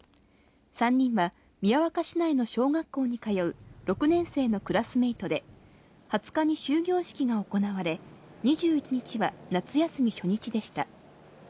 ３人は宮若市内の小学校に通う６年生のクラスメートで、２０日に終業式が行われ、２１日は夏休み初日でした。